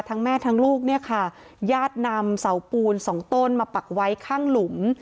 แม่ทั้งลูกเนี่ยค่ะญาตินำเสาปูนสองต้นมาปักไว้ข้างหลุม